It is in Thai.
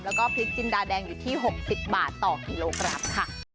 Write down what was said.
แล้วก็พริกจินดาแดงอยู่ที่๖๐บาทต่อกิโลกรัมค่ะ